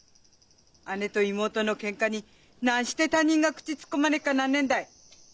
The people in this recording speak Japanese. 姉と妹のケンカになして他人が口突っ込まねっかなんねえんだい？